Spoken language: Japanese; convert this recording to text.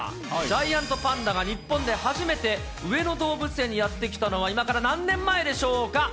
ジャイアントパンダが日本で初めて上野動物園にやって来たのは、今から何年前でしょうか。